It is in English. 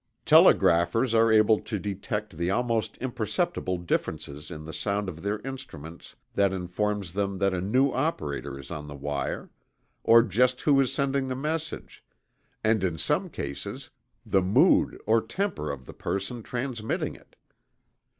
Telegraphers are able to detect the almost imperceptible differences in the sound of their instruments that inform them that a new operator is on the wire; or just who is sending the message; and, in some cases, the mood or temper of the person transmitting it.